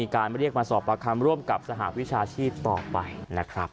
การเรียกมาสอบประคำร่วมกับสหวิชาชีพต่อไปนะครับ